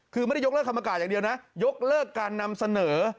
คือไม่ได้ยกเลิกคำประกาศอย่างเดียวนะยกเลิกการนำเสนอ